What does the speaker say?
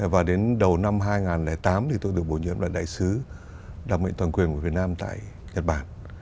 và đến đầu năm hai nghìn tám thì tôi được bổ nhiệm là đại sứ đặc mệnh toàn quyền của việt nam tại nhật bản